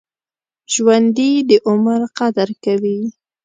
ژوندي د عمر قدر کوي